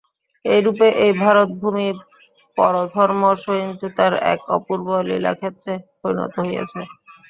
এইরূপে এই ভারতভূমি পরধর্ম-সহিষ্ণুতার এক অপূর্ব লীলাক্ষেত্রে পরিণত হইয়াছে।